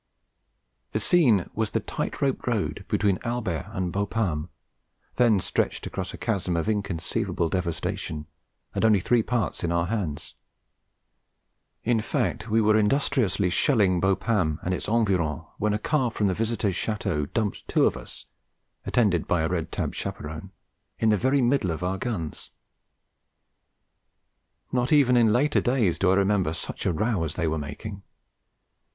The scene was the tight rope road between Albert and Bapaume, then stretched across a chasm of inconceivable devastation, and only three parts in our hands; in fact we were industriously shelling Bapaume and its environs when a car from the Visitors' Château dumped two of us, attended by a red tabbed chaperon, in the very middle of our guns. Not even in later days do I remember such a row as they were making.